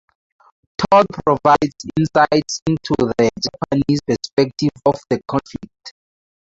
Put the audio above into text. Toll provides insights into the Japanese perspective of the conflict.